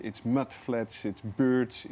itu adalah tempat yang berkembang